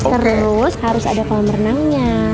terus harus ada kolam renangnya